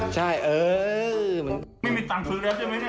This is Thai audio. ใช่เลย